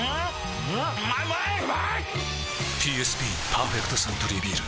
ＰＳＢ「パーフェクトサントリービール」